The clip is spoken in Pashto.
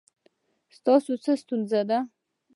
ستاسو څه ستونزه ده؟